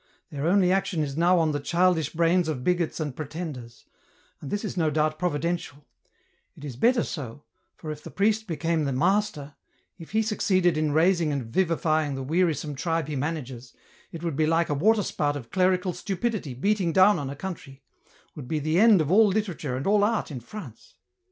Their only action is now on the childish brains of bigots and pretenders ; and this is no doubt providential ; it is better so, for if the priest became the master, if he succeeded in raising and vivifying the wearisome tribe he manages, it would be like a waterspout of clerical stupidity beating down on a country, would be the end of all literature and all art in France.